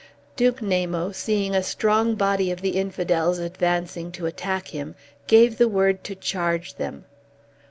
Duke Namo, seeing a strong body of the Infidels advancing to attack him, gave the word to charge them.